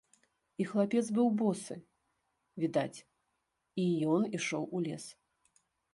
І хлапец быў босы, відаць, і ён ішоў у лес.